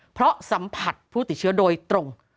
เพราะสัมผัสผู้ติดเชื้อโดยตรง